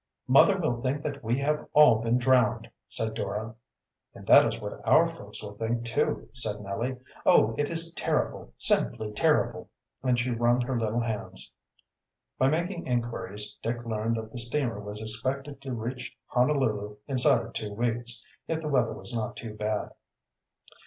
"Mother will think that we have all been drowned," said Dora. "And that is what our folks will think, too," said Nellie. "Oh, it is terrible, simply terrible!" And she wrung her little hands. By making inquiries Dick learned that the steamer was expected to reach Honolulu inside of two weeks, if the weather was not too, bad.